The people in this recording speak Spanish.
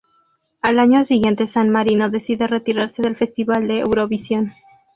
Al año siguiente, San Marino decide retirarse del Festival de Eurovisión.